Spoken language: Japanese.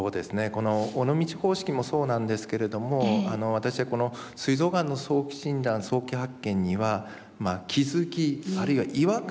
この尾道方式もそうなんですけれども私はこのすい臓がんの早期診断・早期発見には気付きあるいは違和感